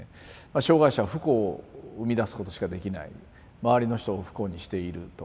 障害者は不幸を生み出すことしかできない周りの人を不幸にしているとかですね。